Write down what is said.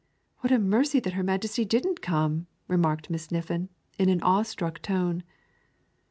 what a mercy that her Majesty didn't come!" remarked Miss Niffin in an awe struck tone.